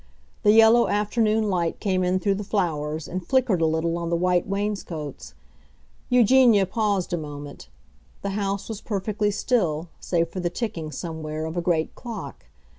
The yellow afternoon light came in through the flowers and flickered a little on the white wainscots. Eugenia paused a moment; the house was perfectly still, save for the ticking, somewhere, of a great clock.